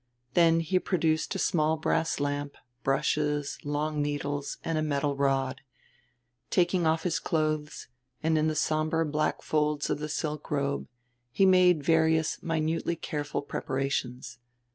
Then he produced a small brass lamp, brushes, long needles, and a metal rod. Taking off his clothes, and in the somber black folds of the silk robe, he made various minutely careful preparations.